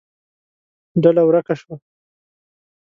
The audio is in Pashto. ډله ورکه شوه.